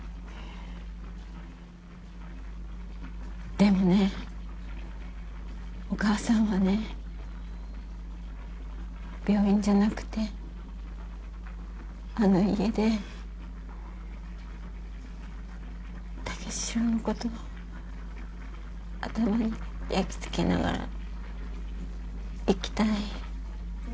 でもねお母さんはね病院じゃなくてあの家で武四郎のこと頭に焼き付けながら逝きたい。